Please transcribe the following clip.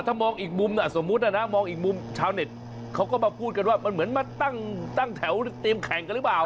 ถ้ามองอีกมุมน่ะสมมุตินะมองอีกมุมชาวเน็ตเขาก็มาพูดกันว่ามันเหมือนมาตั้งแถวเตรียมแข่งกันหรือเปล่า